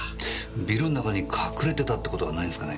ビルの中に隠れてたって事はないんですかね？